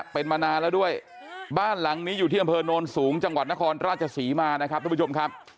เป็นมานานแล้วด้วยบ้านหลังนี้อยู่ที่อำเภอโนนสูงจังหวัดนครราชศรีมานะครับทุกผู้ชมครับ